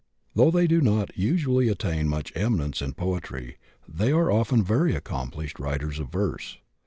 Though they do not usually attain much eminence in poetry, they are often very accomplished writers of verse.